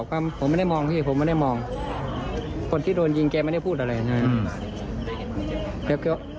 รู้จักกันหรือเปล่า